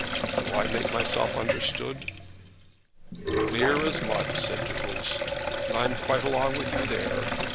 Do I make myself understood?" "Clear as mud," said Doodles. "I'm quite along with you there.